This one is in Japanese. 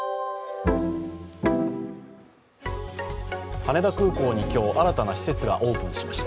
羽田空港に今日、新たな施設がオープンしました。